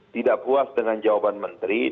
tidak puas dengan jawaban menteri